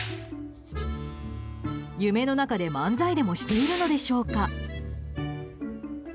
夢の中で漫才でもしているのでしょうか。